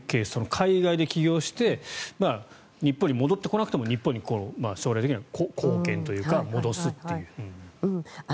海外で起業して日本に戻ってこなくても日本に将来的には貢献というか戻すというか。